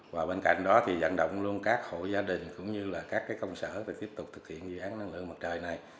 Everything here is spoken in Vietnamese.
và bên cạnh đó thì dẫn động luôn các hộ gia đình cũng như là các công sở để tiếp tục thực hiện dự án năng lượng mặt trời này